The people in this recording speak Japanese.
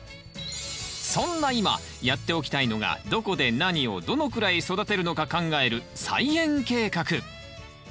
そんな今やっておきたいのがどこで何をどのくらい育てるのか考える菜園計画。